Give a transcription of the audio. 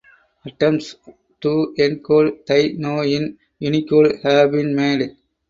Attempts to encode Tai Noi in Unicode have been made.